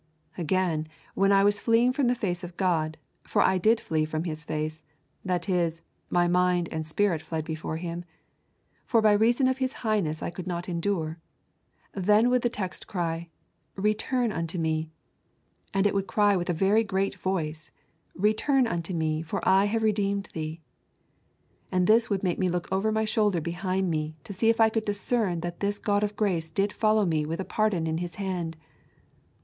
Again, when I was fleeing from the face of God, for I did flee from His face, that is, my mind and spirit fled before Him; for by reason of His highness I could not endure; then would the text cry: Return unto Me; it would cry with a very great voice: Return unto me, for I have redeemed thee. And this would make me look over my shoulder behind me to see if I could discern that this God of grace did follow me with a pardon in His hand.